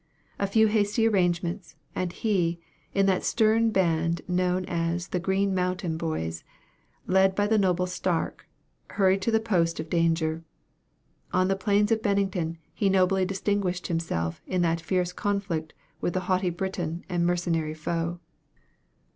A few hasty arrangements, and he, in that stern band known as the Green Mountain Boys, led by the noble Stark, hurried to the post of danger. On the plains of Bennington he nobly distinguished himself in that fierce conflict with the haughty Briton and mercenary foe.